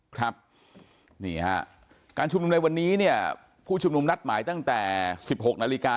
ครับนี่ฮะการชุมนุมในวันนี้เนี่ยผู้ชุมนุมนัดหมายตั้งแต่๑๖นาฬิกา